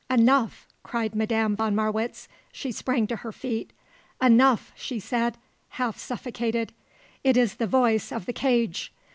"Enough!" cried Madame von Marwitz. She sprang to her feet. "Enough!" she said, half suffocated. "It is the voice of the cage!